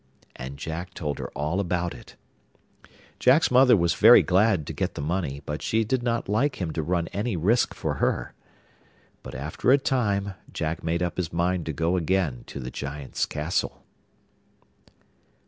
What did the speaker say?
And Jack told her all about it. Jack's mother was very glad to get the money, but she did not like him to run any risk for her. But after a time Jack made up his mind to go again to the Giant's castle.